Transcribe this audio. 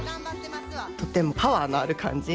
とてもパワーのある感じ。